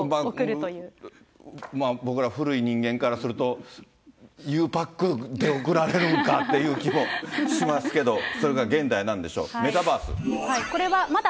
まあ、僕ら古い人間からすると、ゆうパックで送られるんかって気もしますけど、それが現代なんでしょう。